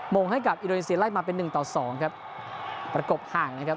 งงให้กับอินโดนีเซียไล่มาเป็นหนึ่งต่อสองครับประกบห่างนะครับ